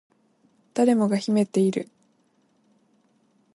誰もが秘めている